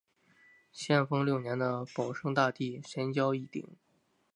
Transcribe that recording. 咸丰六年的保生大帝神轿一顶。